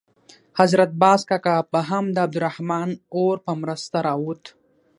حضرت باز کاکا به هم د عبدالرحمن اور په مرسته راووت.